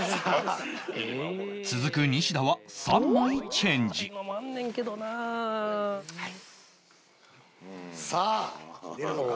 続く西田は３枚チェンジさあ出るのか。